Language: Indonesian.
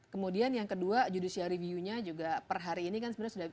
kemudian yang kedua judisial reviewnya juga per hari ini kan sebenarnya sudah